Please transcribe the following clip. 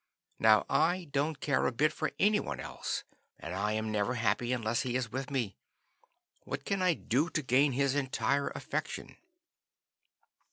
Now, I don't care a bit for any one else, and I am never happy unless he is with me. What can I do to gain his entire affection?"